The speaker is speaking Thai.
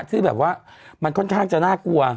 ที่แบบว่ามันค่อนข้างจะน่ากลัว